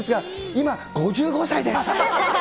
今、５５歳です。